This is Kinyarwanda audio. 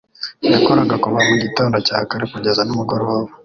yakoraga kuva mu gitondo cya kare kugeza nimugoroba